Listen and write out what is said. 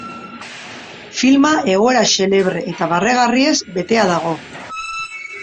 Filma egoera xelebre eta barregarriez betea dago.